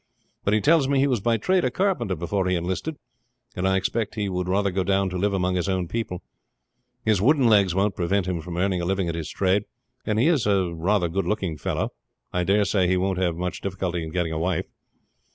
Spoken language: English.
But he tells me he was by trade a carpenter before he enlisted, and I expect he would rather go down to live among his own people. His wooden legs won't prevent him earning a living at his trade; and as he is rather a good looking fellow I dare say he won't have much difficulty in getting a wife.